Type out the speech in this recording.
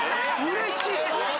うれしい！